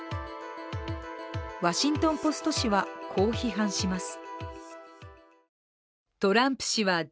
「ワシントン・ポスト」紙は、こう批判します。